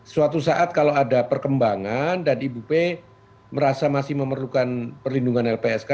suatu saat kalau ada perkembangan dan ibu p merasa masih memerlukan perlindungan lpsk